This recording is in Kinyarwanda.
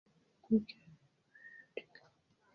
General Etumba Didier